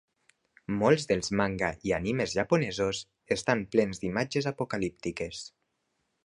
Molts dels manga i anime japonesos estan plens d'imatges apocalíptiques.